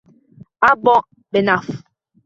Ammo benaf.